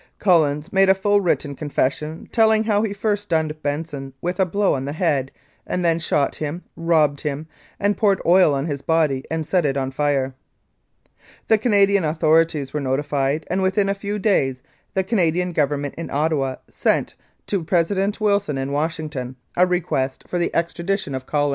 "Collins made a full written confession, telling how he first stunned Benson with a blow on the head and then shot him, robbed him, and poured oil on his body and set it on fire. "The Canadian authorities were notified, and within a few days the Canadian Government in Ottawa sent to President Wilson in Washington a request for the extradition of Collins.